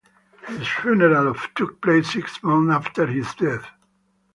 His funeral took place six months after his death.